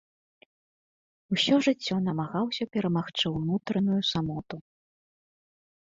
Усё жыццё намагаўся перамагчы ўнутраную самоту.